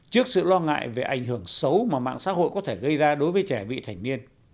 trước sự lo ngại về ảnh hưởng xấu mà mạng xã hội có thể gây ra đối với trẻ vị thành niên